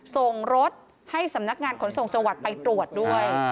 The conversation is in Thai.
ส่งรถให้สำนักงานขนส่งจังหวัดไปตรวจด้วย